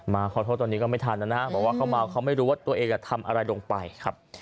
ขอโทษตอนนี้ก็ไม่ทันนะนะบอกว่าเขาเมาเขาไม่รู้ว่าตัวเองทำอะไรลงไปครับ